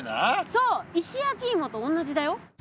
そう石焼きいもとおんなじだよ。